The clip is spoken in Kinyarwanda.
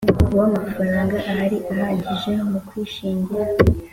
W amafaranga ahari ahagije mu kwishingira